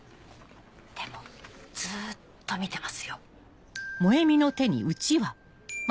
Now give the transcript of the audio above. でもずっと見てますよ。